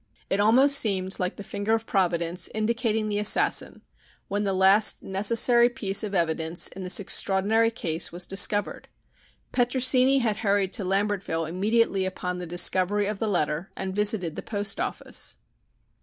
It almost seemed like the finger of Providence indicating the assassin when the last necessary piece of evidence in this extraordinary case was discovered. Petrosini had hurried to Lambertville immediately upon the discovery of the letter and visited the post office.